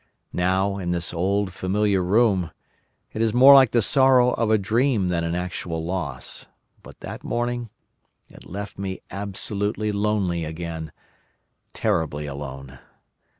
Now, in this old familiar room, it is more like the sorrow of a dream than an actual loss. But that morning it left me absolutely lonely again—terribly alone.